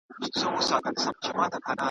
په لښکر کي یې شامل وه ټول قومونه .